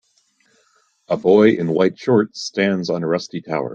A boy in white shorts stands on a rusty tower.